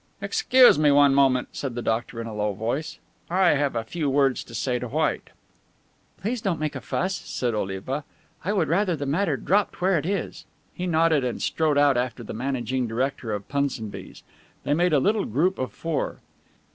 "Excuse me one moment," said the doctor in a low voice. "I have a few words to say to White." "Please don't make a fuss," said Oliva, "I would rather the matter dropped where it is." He nodded, and strode out after the managing director of Punsonby's. They made a little group of four.